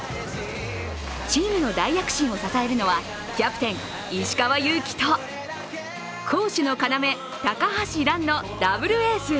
チームの大躍進を支えるのはキャプテン・石川祐希と攻守の要、高橋藍のダブルエース。